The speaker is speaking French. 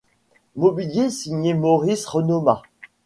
Mobilier signé Maurice Renoma.